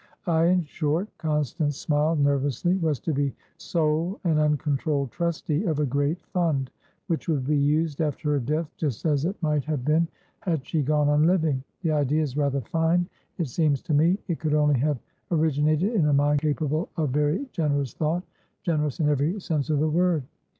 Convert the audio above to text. I, in short"Constance smiled nervously"was to be sole and uncontrolled trustee of a great fund, which would be used, after her death, just as it might have been had she gone on living. The idea is rather fine, it seems to me; it could only have originated in a mind capable of very generous thought, generous in every sense of the word.